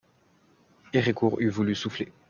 Héricourt eût voulu souffler.